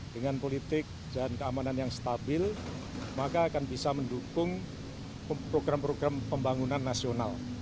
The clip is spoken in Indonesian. dengan politik dan keamanan yang stabil maka akan bisa mendukung program program pembangunan nasional